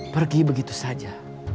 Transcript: pergi begitu saja